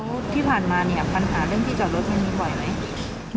แล้วที่ผ่านมาเนี่ยปัญหาเรื่องที่จอดรถมันมีบ่อยไหม